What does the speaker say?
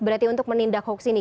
berarti untuk menindak hoax ini